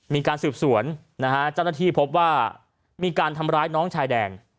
มีการสืบสวนนะฮะเจ้าหน้าที่พบว่ามีการทำร้ายน้องชายแดน